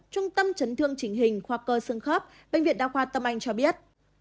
trung tâm chấn thương chỉnh hình khoa cơ xương khớp bệnh viện đa khoa tâm anh cho biết